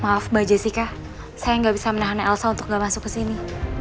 maaf mbak jessica saya nggak bisa menahannya elsa untuk gak masuk ke sini